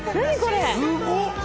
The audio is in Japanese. すごっ！